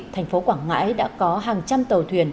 thành phố quảng ngãi đã có hàng trăm tàu thuyền